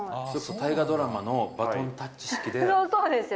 大河ドラマのバトンタッチ式そうですよね。